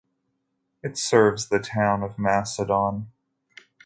It serves the town of Macedon.